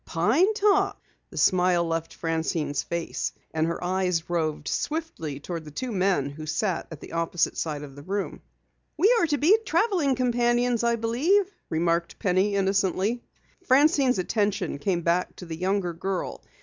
"Pine Top!" The smile left Francine's face and her eyes roved swiftly toward the two men who sat at the opposite side of the room. "We are to be traveling companions, I believe," remarked Penny innocently. Francine's attention came back to the younger girl.